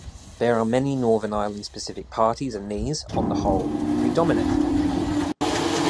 There are many Northern Ireland-specific parties and these, on the whole, predominate.